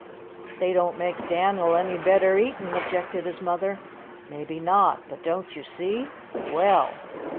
"They don't make Dan'l any better eatin'," objected his mother. "Maybe not. But don't you see? Well!"